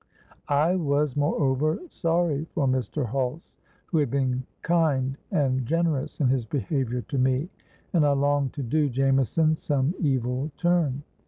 I was moreover sorry for Mr. Hulse, who had been kind and generous in his behaviour to me; and I longed to do Jameson some evil turn.